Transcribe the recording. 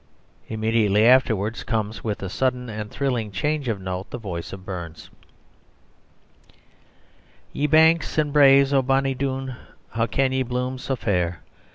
Immediately afterwards comes, with a sudden and thrilling change of note, the voice of Burns: "Ye banks and braes o' bonnie Doon, How can ye bloom sae fair?